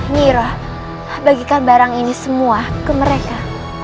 nirah bagikan barang ini semua ke mereka